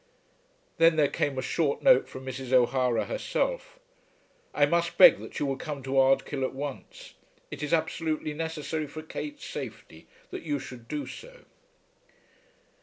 Then there came a short note from Mrs. O'Hara herself. "I must beg that you will come to Ardkill at once. It is absolutely necessary for Kate's safety that you should do so."